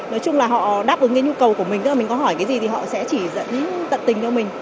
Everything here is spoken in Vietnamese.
nói chung là họ đáp ứng cái nhu cầu của mình tức là mình có hỏi cái gì thì họ sẽ chỉ dẫn tận tình cho mình